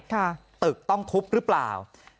ตึกต้องทุบหรือเปล่า